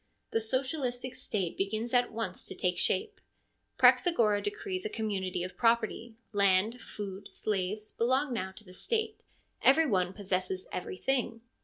The socialistic State begins at once to take shape. Praxagora decrees a community of property — land, food, slaves, belong now to the State — every one possesses everything.